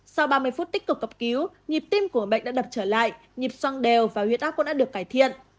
sau ba mươi phút tích cực cấp cứu nhịp tim của bệnh đã đập trở lại nhịp soang đều và huyết áp cũng đã được cải thiện